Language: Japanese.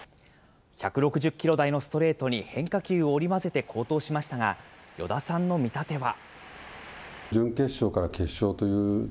１６０キロ台のストレートに変化球を織り交ぜて好投しましたが、与田さんの見立ては。